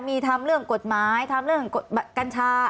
มีทำเรื่องกฎหมายทำเรื่องกัญชา